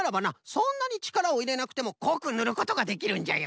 そんなにちからをいれなくてもこくぬることができるんじゃよ。